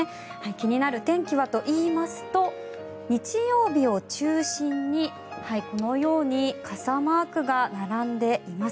気になる天気はといいますと日曜日を中心にこのように傘マークが並んでいます。